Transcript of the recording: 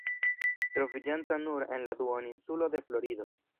Troviĝanta nur en la duoninsulo de Florido.